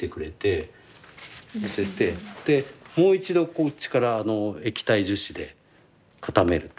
もう一度こっちから液体樹脂で固める。